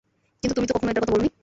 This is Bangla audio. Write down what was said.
কিন্তু তুমি তো কখনো এটার কথা বলোনি।